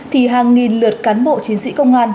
thì hàng nghìn lượt cán bộ chiến sĩ công an